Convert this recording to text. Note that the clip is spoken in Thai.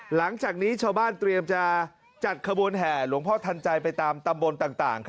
หลังจากนี้ชาวบ้านเตรียมจะจัดขบวนแห่หลวงพ่อทันใจไปตามตำบลต่าง